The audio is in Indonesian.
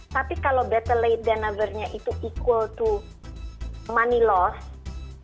tapi kalau lebih lama dari tidak itu sama dengan kehilangan uang